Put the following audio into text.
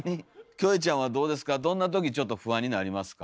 キョエちゃんはどうですかどんなときちょっと不安になりますか？